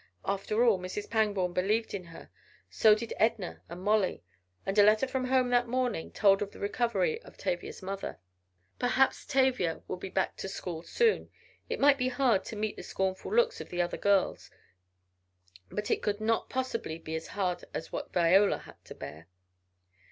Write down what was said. After all, Mrs. Pangborn believed in her, so did Edna and Molly, and a letter from home that morning told of the recovery of Tavia's mother. Perhaps Tavia would be back to school soon. It might be hard to meet the scornful looks of the other girls, but it could not possibly be as hard as what Viola had to bear.